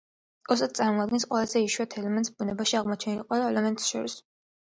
ასტატი წარმოადგენს ყველაზე იშვიათ ელემენტს ბუნებაში აღმოჩენილ ყველა ელემენტებს შორის.